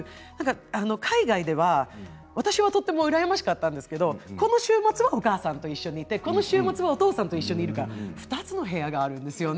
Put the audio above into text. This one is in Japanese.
海外では私はとても羨ましかったんですけどこの週末はお母さんと一緒にいて、この週末はお父さんと一緒にいるから２つの部屋があるんですよね。